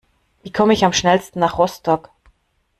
Wie komme ich am schnellsten nach Rostock?